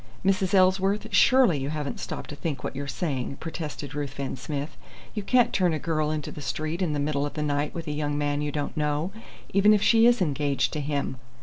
"Mrs. Ellsworth, surely you haven't stopped to think what you're saying!" protested Ruthven Smith. "You can't turn a girl into the street in the middle of the night with a young man you don't know, even if she is engaged to him."